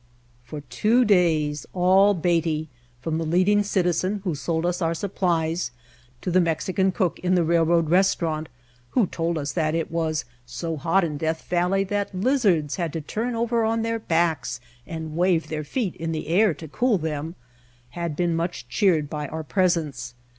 For two days all Beatty, from the leading citi zen who sold us our supplies to the Mexican cook in the railroad restaurant who told us that it was so hot in Death Valley the lizards had to turn over on their backs and wave their feet in the air to cool them, had been much cheered by our presence.